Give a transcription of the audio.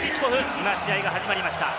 今、試合が始まりました。